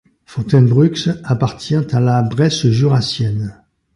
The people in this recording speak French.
Fontainebrux appartient à la Bresse jurassienne.